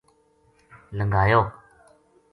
لنگھایو